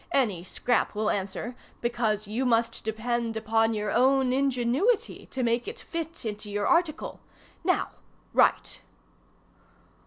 Any scrap will answer, because you must depend upon your own ingenuity to make it fit into your article. Now write!